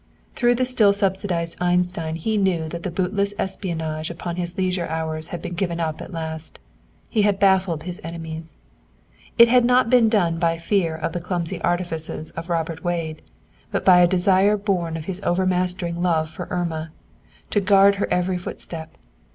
Through the still subsidized Einstein he knew that the bootless espionage upon his leisure hours had been given up at last. He had baffled his enemies. It had not been done by fear of the clumsy artifices of Robert Wade, but a desire born of his overmastering love for Irma, to guard her every footstep.